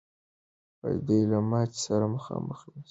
دوی له ماتي سره مخامخ نه سول.